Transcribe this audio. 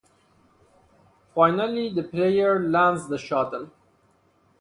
Finally the player lands the shuttle.